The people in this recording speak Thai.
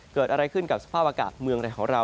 เกิดอะไรขึ้นกับสภาพอากาศเมืองในของเรา